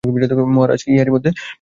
মহারাজ কি ইহারি মধ্যে সংবাদ পাইয়াছেন?